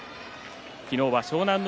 昨日は湘南乃